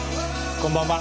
こんばんは。